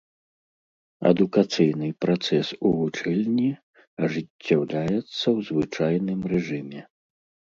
Адукацыйны працэс у вучэльні ажыццяўляецца ў звычайным рэжыме.